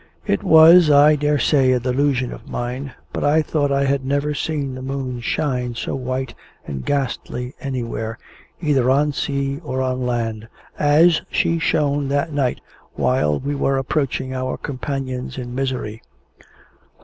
It was, I dare say, a delusion of mine; but I thought I had never seen the moon shine so white and ghastly anywhere, either on sea or on land, as she shone that night while we were approaching our companions in misery.